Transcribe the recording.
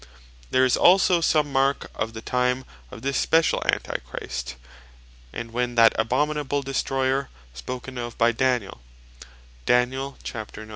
There is also some Mark of the time of this speciall Antichrist, as (Mat. 24.15.) when that abominable Destroyer, spoken of by Daniel, (Dan. 9. 27.)